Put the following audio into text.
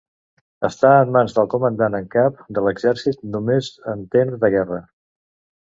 Està en mans del comandant en cap de l'exercit només en temps de guerra.